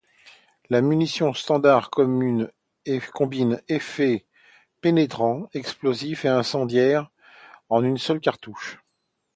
La munition standard combine effet pénétrant, explosif et incendiaire en une seule cartouche.